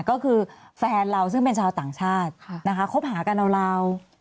ก็คือแฟนเราซึ่งเป็นชาวต่างชาตินะคะคบหากันราว